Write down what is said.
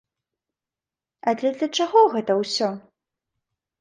Але для чаго гэта ўсё?